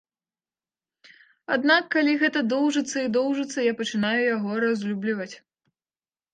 Аднак калі гэта доўжыцца і доўжыцца, я пачынаю яго разлюбліваць.